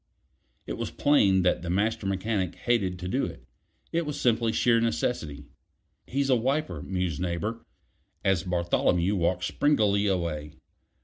It was plain that the Master Mechanic hated to do it; it was simply sheer necessity. "He's a wiper," mused Neighbor, as Bartholomew walked springily away.